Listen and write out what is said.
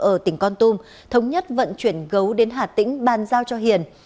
ở tỉnh con tum thống nhất vận chuyển gấu đến hà tĩnh bàn giao cho hiền